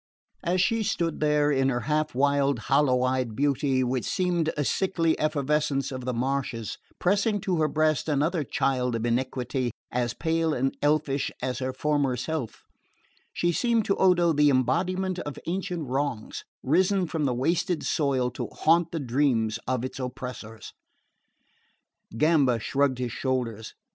As she stood there, in her half wild hollowed eyed beauty, which seemed a sickly efflorescence of the marshes, pressing to her breast another "child of iniquity" as pale and elfish as her former self, she seemed to Odo the embodiment of ancient wrongs, risen from the wasted soil to haunt the dreams of its oppressors. Gamba shrugged his shoulders.